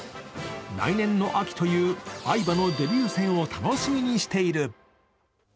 来年の秋という愛馬のデビュー戦を楽しみにしている。